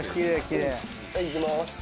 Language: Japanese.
はい、いきます。